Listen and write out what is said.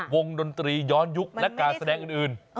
ดนตรีย้อนยุคและการแสดงอื่น